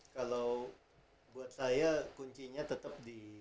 kalau buat saya kuncinya tetap di